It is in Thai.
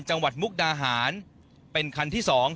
จังหวัดมุกดาหารเป็นคันที่สอง